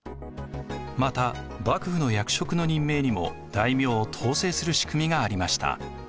また幕府の役職の任命にも大名を統制する仕組みがありました。